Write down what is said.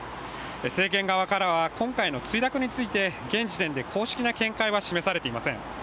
政権側からは今回の墜落について現時点で公式な見解は示されていません。